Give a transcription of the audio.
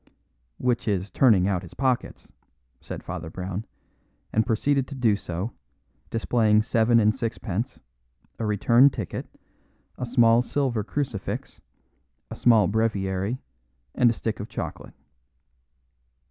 "Which is turning out his pockets," said Father Brown, and proceeded to do so, displaying seven and sixpence, a return ticket, a small silver crucifix, a small breviary, and a stick of chocolate.